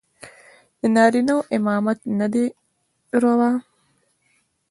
د نارينو امامت نه دى روا.